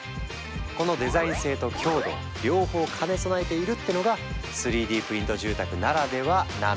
このデザイン性と強度両方兼ね備えているってのが３Ｄプリント住宅ならではなんだとか。